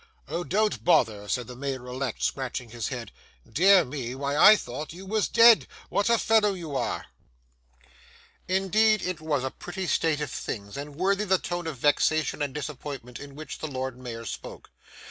'O, don't bother,' said the Lord Mayor elect, scratching his head. 'Dear me! Why, I thought you was dead. What a fellow you are!' Indeed, it was a pretty state of things, and worthy the tone of vexation and disappointment in which the Lord Mayor spoke.